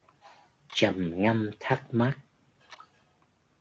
Trầm ngâm thắc mắc